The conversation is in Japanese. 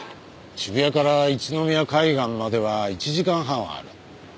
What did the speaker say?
渋谷から一宮海岸までは１時間半はある。